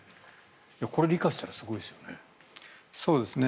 これ、理解していたらすごいですよね？